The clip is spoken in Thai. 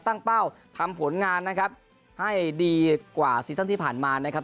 เป้าทำผลงานนะครับให้ดีกว่าซีซั่นที่ผ่านมานะครับ